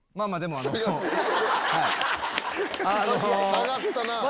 下がったなぁ。